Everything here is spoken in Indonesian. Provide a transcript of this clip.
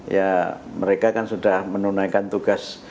ya mereka kan sudah menunaikan tugas